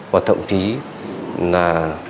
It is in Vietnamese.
và thậm chí là